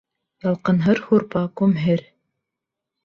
Ялҡынһыр һурпа, күмһер.